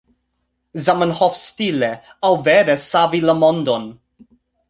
Zamenhof-stile? aŭ vere savi la mondon?